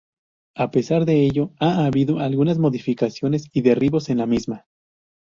A pesar de ello ha habido algunas modificaciones y derribos en la misma.